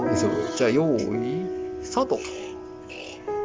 じゃあよいスタート。